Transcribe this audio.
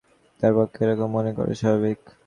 তাঁর পক্ষে এরকম মনে করাই স্বাভাবিক।